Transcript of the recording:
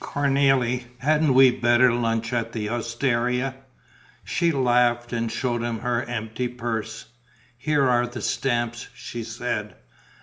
"Cornélie, hadn't we better lunch at the osteria?" She laughed and showed him her empty purse: "Here are the stamps," she said.